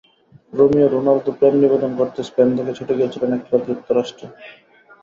Romeo Ronaldo প্রেম নিবেদন করতে স্পেন থেকে ছুটে গিয়েছিলেন এক্কেবারে যুক্তরাষ্ট্রে।